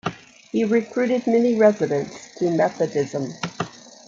He recruited many residents to Methodism.